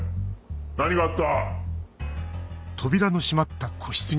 何があった！